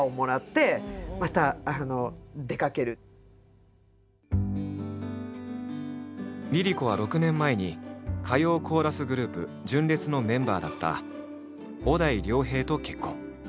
だからＬｉＬｉＣｏは６年前に歌謡コーラスグループ純烈のメンバーだった小田井涼平と結婚。